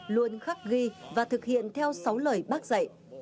luôn khắc ghi và thực hiện theo sáu lời bác dạy